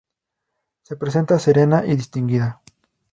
Se presenta serena y distinguida.